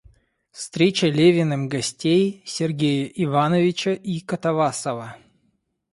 Встреча Левиным гостей — Сергея Ивановича и Катавасова.